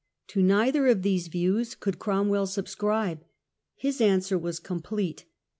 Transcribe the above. To neither of these views could Cromwell subscribe : his answer was complete.